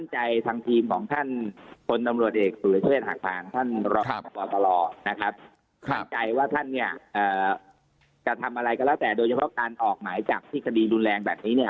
จะทำอะไรก็แล้วแต่โดยเฉพาะออกหมายจากพิษฐานดุแรงแบบนี้